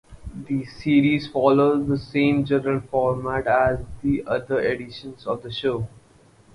The series follows the same general format as the other editions of the show.